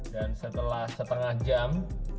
dan setelah setengah jam